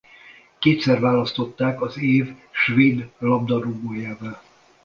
Kétszer választották az év svéd labdarúgójává.